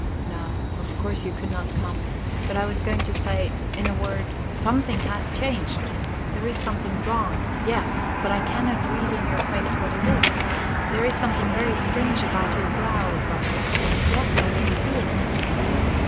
"No, of course you could not come. But I was going to say ... in a word, something has changed; there is something wrong. Yes. But I cannot read in your face what it is. There is something very strange about your brow, Edwarda. Yes, I can see it now."